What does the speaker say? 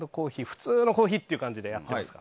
普通のコーヒーという感じでやってます。